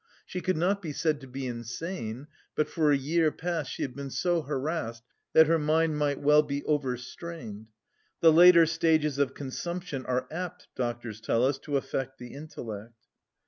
She could not be said to be insane, but for a year past she had been so harassed that her mind might well be overstrained. The later stages of consumption are apt, doctors tell us, to affect the intellect.